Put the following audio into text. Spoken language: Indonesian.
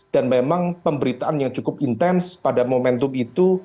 dan memang pemberitaan yang cukup intens pada momentum itu